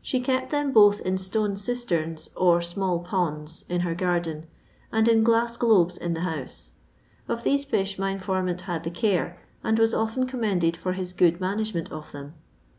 She kept them both in stone cisterns, or small ponds, in her garden, and in glass globes in the house. Of these fish my informant had the care, and was often com mended for his good management of them.